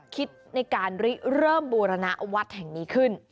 คิดในการเริ่มบูรณะวัดแห่งนี้ขึ้น